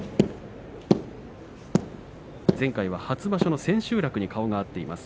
前回の初場所の千秋楽に顔が合っています。